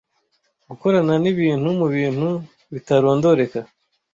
Gukorana nibintu mubintu bitarondoreka